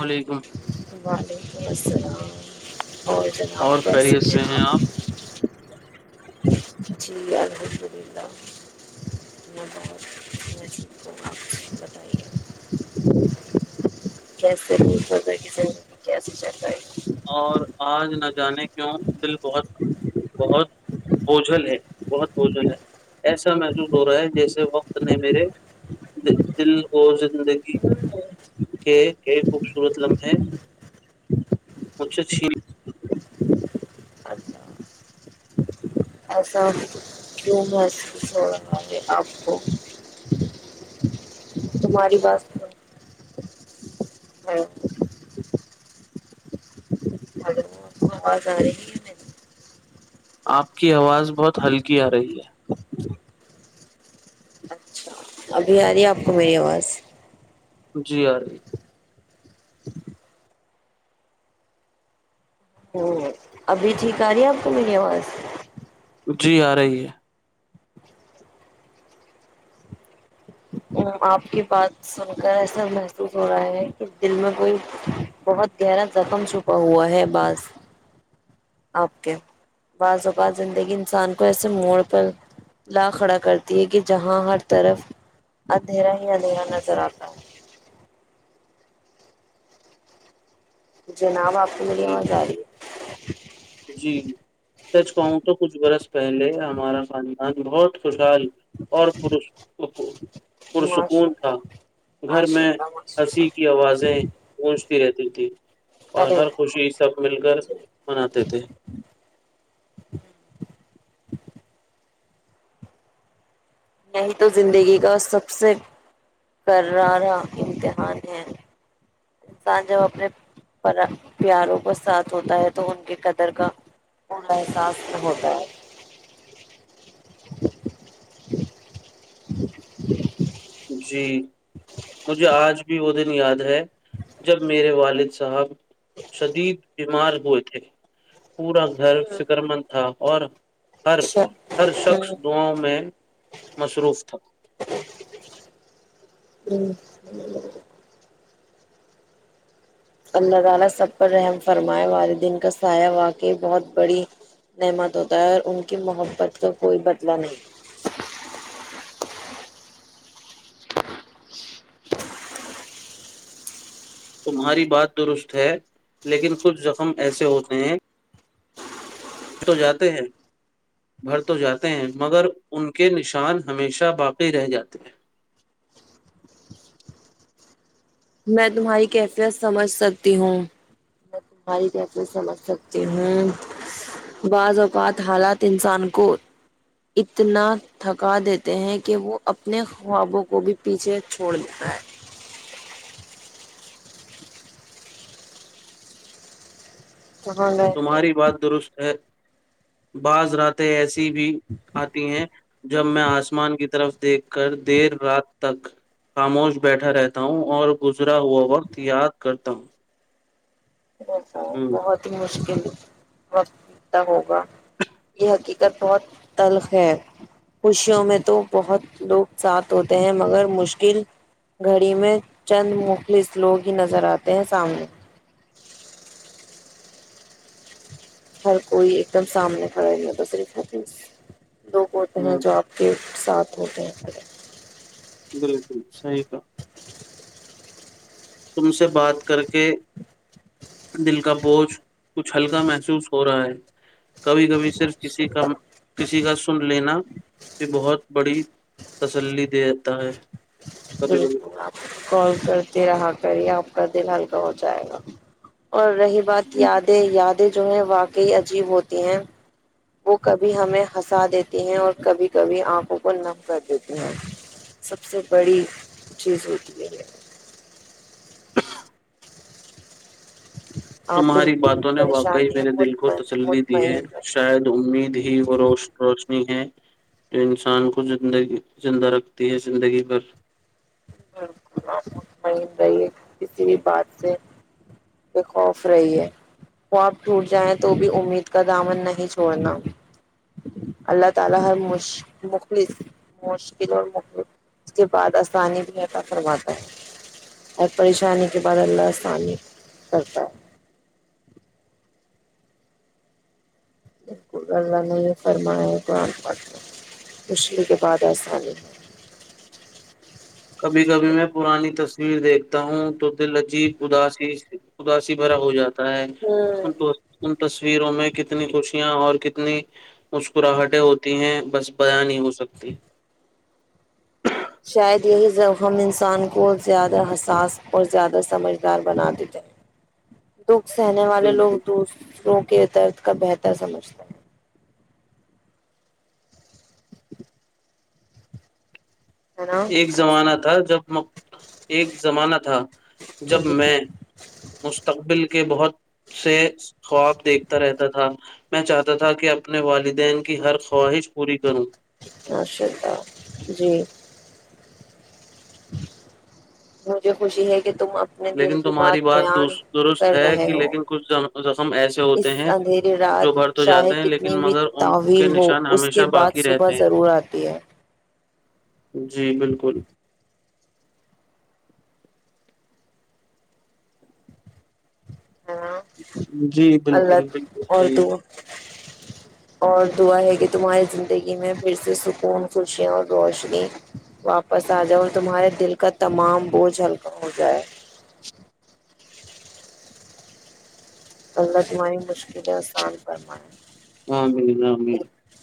وعلیکم وعلیکم السلام اور جناب اور آپ کیسے خیریت سے ہیں؟ آپ جی الحمد للہ میں بہتوں آپ بتائیے کیسے کی چلتا ہے اور آج نہ جانے کے کی [unintelligible] دل بہت بہت بوجھل ہے بہت بوجھل ہے ایسا محسوس ہو رہا ہے جیسے وقت نے میرے دل اور زندگی ہے؟ کے کے خوبصورت لمحے م سے چل [unintelligible] اللہ ایسا کیوں محسوس ہو رہا ہے آپ کو تمہاری بات ہاں ہیلو، آپ آواز آ رہی ہے مری آپ کی آواز بہت ہلکی آ رہی ہے اچھا ابھی آ رہی ہے آپ کو میری آواز جی، آ رہی ہے۔ ہ ابھی ٹھیک آ رہی ہے آپ کو میری آواز جی آ رہی ہے آپ کی بات سن کر ایسا محسوس ہو رہا ہے کہ دل میں کوئی بہت گہرا زخم چھپا ہوا ہے بعض آپ کے بعض اوقعات زندگی انسان کو ایسے موڑ پر لا کھڑا کرتی ہے کہ جہاں ہر طرف ادھیرا ہی اندھیرا نظر آتا ہے جناب، آپ کو میری جی آواز جا رہی ہے؟ ہ [inaudible] جی سچ کہوں تو کچھ برس پہلے ہمارا پانی ہاں بہت خوش ال اور ہے ماشاء پرسکون تھا اللہ گھر ماشاء میں اللہ ماشاء ہنسی اللہ کی آوازیں گونجتی رہتی تھی اور ارے ہر خوشی سب مل کر مناتی تھ نہیں تو زندگی کا سب سے کرارہ امتحان ہے انسان جب اپنے پیاروں کو ساتھ ہوتا ہے تو ان کی قدر کا اننا احساس ہوتا ہے [unintelligible] جی مجھے آج بھی وہ دن یاد ہے جب میرے والد صاحب شدید بیمار ہوئے تھے پورا گھر فکر مند تھا اور ہے ہر ہوں شخص دعا میں مصروف تھا ہوں اللہ تعالی سب پر رحم فرمائے والدین کا سایہ واقع بہت بڑی نعمت ہوتا ہے اور ان کی محبت کا کوئی بدلہ نہیں تمہاری بات درست ہے لیکن کچھ زخم ایسے ہوتے ہیں تو جاتے ہیں بھر تو جاتے ہیں مگر ان کے نشان ہمیشہ باقی رہ جاتے ہیں میں تمہاری کیفیت سمجھ سکتی ہوں میں تمہاری کیفیت سمجھ سکتی ہوں بعض اوقات حالات انسان کو اتنا تھکا دیتے ہیں کہ وہ اپنے خوابوں کو بھی پیچھے چھوڑ دیتا ہے نہیں تمہاری بات درست ہے بازر آتے ایسے بھی آتی ہیں جب میں آسمان کی طرف دیکھ کر دیر رات تک خاموش بیٹھا رہتا ہوں اور گزرا ہوا وقت یاد کرتا ہوں بسا ہوں بہت ہی مشکل ہے وقت ہوگا یہ ہکی بہت تلخ ہے خوشیوں میں تو بہت لوگ ساتھ ہوتے ہیں مگر مشکل گھڑی میں چند مخلص لوگ ہی نظر آتے ہیں سامنے ہر کوئی ایک دم سامنے کھڑا ہے ب طریق لگ ہوتے ہیں ہوں جو آپ کے ساتھ ہوتے ہیں پے بالکل صحی کا تم سے بات کر کے دل کا بوجھ کچھ ہلکا محسوس ہو رہا ہے کبھی کبھی صرف کسی کا کسی کا سن لینا یہ بہت بڑی تسلی دیتا ہے کبھی کبھی بالکل آپ کال کرتے رہا کری آپ کا د حان پ ہو جائے گا اور رہی بات جی۔ یادیں یادیں جو ہے واقعی عجیب ہوتی ہیں وہ کبھی ہمیں ہنسا دیتی ہیں اور کبھی کبھی آنکھوں کو نم کر دیتی ہیں سب سے بڑی چیز ہوتی ہےئی ہے آپ تمہاری بالکل باتوں نے واقعی پریشانی میرے دل کو مطمئن تسلی دی ہے مطمئن رہے، شاید امید ہی روش روش ہے جو انسان کوگی زندہ رکھتی ہے زندگی بھر بات سے کہ خوف رہی ہے وہ اپ ٹوٹ جائیں تو بھی امید کا دامن نہیں چھوڑنا اللہ تعالی ہر مخلص مشکل اور اس کے بعد اسانی فرماتا ہے اور پریشانی کے بعد اللہ آسامی کرتا ہے بالکل اللہ نے یہ فرمایا ہے قرآن پ مشل کے بعد آسانی ہے کبھی کبھی میں پرانی تصویر دیکھتا ہوں تو دل عجیب اداسی اداسی بھرا ہو جاتا ہے ہوں ان ان تصویروں میں کتنی خوشیاں اور کتنی مسکراہٹیں ہوتی ہیں بس بیا نہیں ہو سکتی شاید یہی زخم انسان کو زیادہ حساس اور زیادہ سمجھدار بنا دیتے ہیں د سہنے والے لوگ بالکل تو کے درد کا بہتر سمجھتا ہے ہے ایک نا زمانہ تھا جب [inaudible] ایک زمانہ تھا جب جی میں مستقبل کے کے بہت سے خواب دیکھتا رہتا تھا میں چاہتا تھا کہ اپنے والدین کی ہر خواہش پوری کروں اشء الد جی مجھے خوشی ہے کہ تم اپنے دل لیکن کی تمہاری بات بیان دوس- درست کر ہے رہے کہ ہو لیکن کچھ زم- زخم ایسے اس ہوتے ہیں اندھیری جو رات بھر تو چاہے جاتے ہیں لیکن کتنی بھی مگر ان کے تویل ہو نشان اس کے ہمیشہ بعد باقی صبح رہتے ضرور آتی ہے جی بالکل ہ جی بالکل اللہ بالکل اور صحیح دو بات اور دعا ہے کہ تمہاری زندگی میں پھر سے سکون خوشیاں اور روشنی واپس آ جاؤ اور تمہارے دل کا تمام بوجھ ہلکا ہو جائے اللہ تمہاری مشکلیںسان کرنا ہے ہاں مل ہاں مل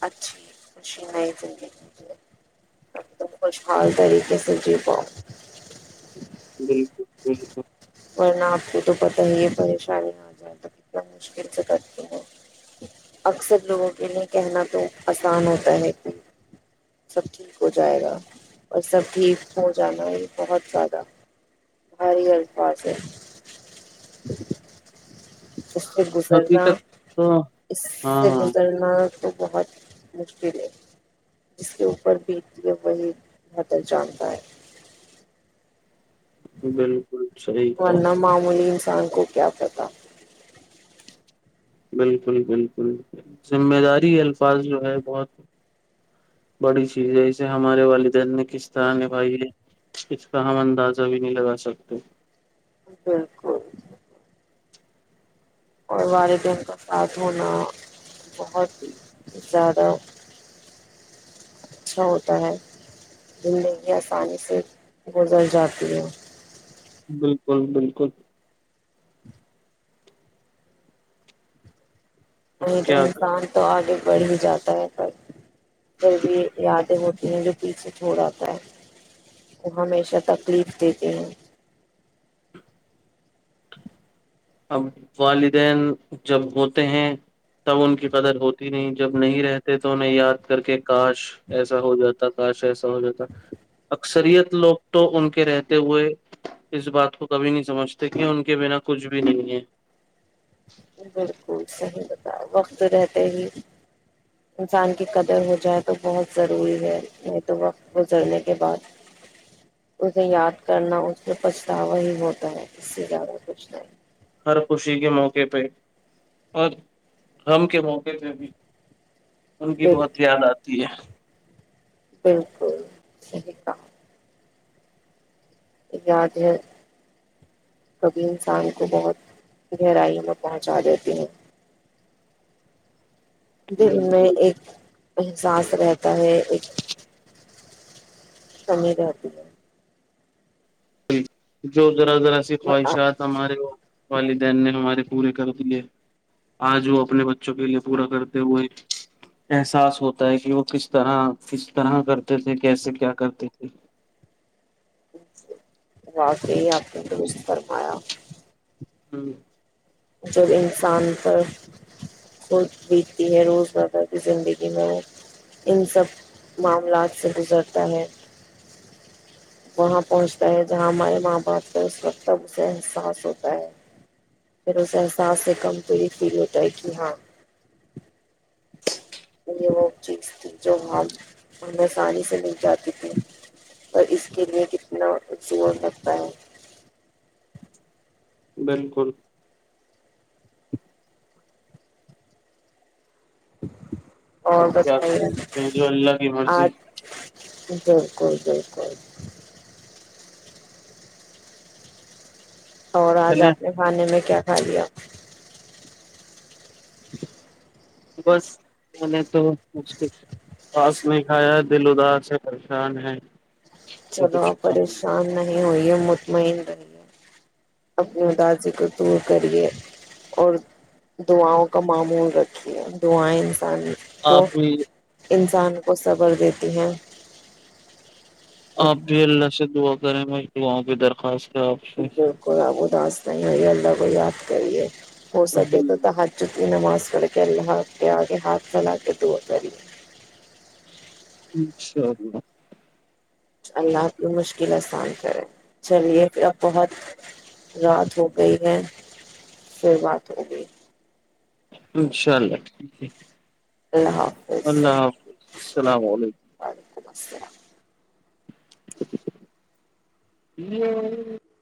اچھی مشینئی زی ایک دم خوشحال طریقے سے جی پاؤ بالکل بالکل ورنہ آپ کو تو پتاہ ہی یہ پریشانی آ جائے تو کتنا مشکل سے کرتی ہیں اکثر لوگوں کے لیے کہنا تو آسان ہوتا ہے کہ سب ٹھیک ہو جائے گا اور سب ٹھیک ہو جانا یہ بہت زیادہ ہاری گ پاس ہے اس سے گزرنا حقیقت تو اس سے ہاں گزرنا تو بہت مشکل ہے اس کے اوپر بھی یہ وہی بہتر جانتا ہے بالکل صحیح کہا ان معمولی سان کو کیا پتاہ بالکل بالکل ذمہ داری الفاظ جو ہے بہت بڑی چیز ہے اسے ہمارے والدین نے پاکستان ن بائیے اس کا ہم اندازہ بھی نہیں لگا سکتے بالکل اور والدین کا ساتھ ہونا بہت زیادہ اچھا ہوتا ہے زندگی آسانی سے گزر جاتی ہے بالکل بالکل اب نہیں تو کیا انسان تو آ پڑھ بھی جاتا ہے کل پھر بھی یادیں ہوتی ہیں جو پیچھے چھوڑا وہ ہمیشہ تکلیف دیتے ہیں اب والدین جب ہوتے ہیں تب ان کی قدر ہوتی نہیں جب نہیں رہتے تو انہیں یاد کر کے کاش ایسا ہو جاتا کاش ایسا ہو جاتا اکثریت لوگ تو ان کے رہتے ہوئے اس بات کو کبھی نہیں سمجتے ہیں ان کے بنا کچھ کو نہیں ہے بالکل صحیح بتا وقت رہتے ہی انسان کی قدر ہو جائے تو بہت ضروری ہے نہیں تو وقت گزرنے کے بعد اسے یاد کرنا اس میں پچھتاوا ہی ہوتا ہے اس سے زیادہ کچھ نہیں ہر خوشی کے موقع پہ اور غم کے موقع پہ بھی ان بھی بال بہت یاد آتا ہے ٹھیک ہے بالکل صحی کا یاد ہے کبھی انسان کو بہت گہرائی میں پہنچا دیتے ہیں دن ہے میں ایک احساس رہتا ہے ایک کمی رہتی ہے جی جو ذرا ذرا س خواہشات ہمارے وہ والدین نے ہمارے پورے کر دیے آج وہ اپنے بچوں کے لیے پورا کرتے وہ ایک احساس ہوتا ہے کہ وہ کس طرح کس طرح کرتے تھے کیسے کیا کرتے تھے واق ہی آپنے تو کھ فرمایا ہوں جب انسان پر خود بیتتی ہے روزمرہ کی زندگی میں وہ ان سب معاملات سے گزرتا ہے وہاں پہنچتا ہے جہاں ہمارے ماں باپ سے اس وقت تب اسے احساس ہوتا ہے پھر اسے احساس سے کم کو یہ فیل ہوتا ہے کہ ہاں یہ وہ چیز تھی جو ہم ہم آسانی سے مل جاتی تھی اور اس کے لیے کتناور لگتا ہے بالکل ا [unintelligible] اب اور کیا کر بتائیے سکتے ہیں جو اللہ کی آج مرضی بالکل بالکل اور آج چلے آپ نے کھانے میں کیا کھا لیا ج [inaudible] بس میں نے تو مس نہیں کھایا دل ادار سے پریشان ہے تو چلو کچھ آپ پریشان نہیں ہوئی مطمئن رہیے اپنے دادی کو تو کرے اور دعاؤں کا معمول رہتا دوو ہی [unintelligible] انان کو آپ بھی انسان کو صبر دیتے [unintelligible] جی ہاں آپ بھی اللہ سے دعا کریں میں وہاں پہ درخواست ہے آپ سے بالکل آپ اداس [unintelligible] ہمل لگویاد کریے [unintelligible] ہو سکے تو ت ہ جت نماز [unintelligible] کےلہ ہ آگے ہس ل کے دو بلی اچھا ہ [unintelligible] اللہنی مشکل آسان [unintelligible] ہ [unintelligible] چلیے پھر اب بہت رات ہو گئی ہے پھر بات ہو گئی انشاء اللہ ٹھیک ہے اللہ حافظ اللہ حافظ السلام علیکم خبسل [unintelligible] یہ [unintelligible]